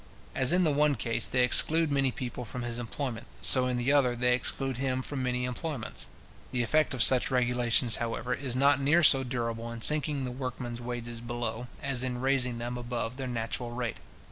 As in the one case they exclude many people from his employment, so in the other they exclude him from many employments. The effect of such regulations, however, is not near so durable in sinking the workman's wages below, as in raising them above their natural rate.